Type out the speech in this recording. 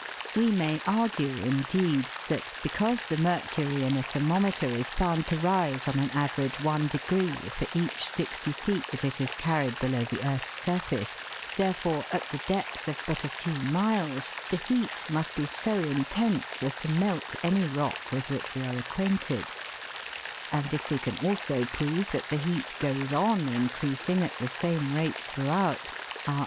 We may argue, indeed, that because the mercury in a thermometer is found to rise on an average one degree for each sixty feet that it is carried below the earth's surface, therefore, at the depth of but a few miles the heat must be so intense as to melt any rock with which we are acquainted ; and if we can also prove that the heat goes on increasing at the same rate throughout, our 8o THE WORLDS LUMBER ROOM.